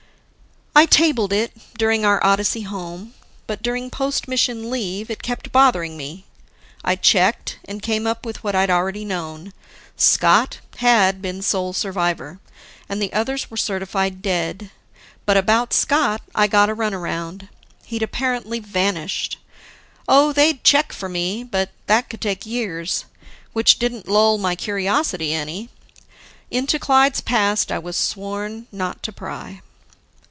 I tabled it during our odyssey home. But during post mission leave, it kept bothering me. I checked, and came up with what I'd already known: Scott had been sole survivor, and the others were certified dead. But about Scott, I got a runaround. He'd apparently vanished. Oh, they'd check for me, but that could take years. Which didn't lull my curiosity any. Into Clyde's past I was sworn not to pry.